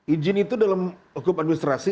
izin itu dalam hukum administrasi